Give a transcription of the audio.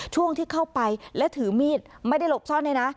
ช่วงที่เข้าไปและถือมีดไม่ได้หลบซ่อนเลยนะ